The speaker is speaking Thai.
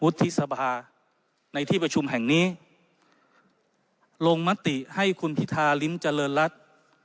ที่สภาในที่ประชุมแห่งนี้ลงมติให้คุณพิธาริมเจริญรัฐ